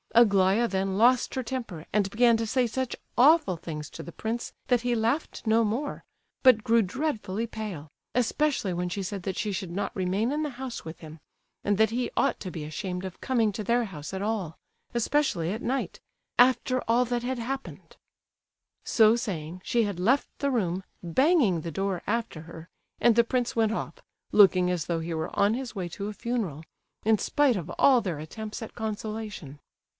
Aglaya then lost her temper, and began to say such awful things to the prince that he laughed no more, but grew dreadfully pale, especially when she said that she should not remain in the house with him, and that he ought to be ashamed of coming to their house at all, especially at night, "after all that had happened." So saying, she had left the room, banging the door after her, and the prince went off, looking as though he were on his way to a funeral, in spite of all their attempts at consolation.